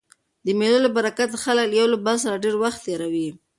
د مېلو له برکته خلک له یو بل سره ډېر وخت تېروي.